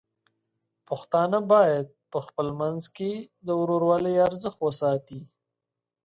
پښتانه بايد په خپل منځ کې د ورورولۍ ارزښت وساتي.